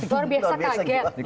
luar biasa kaget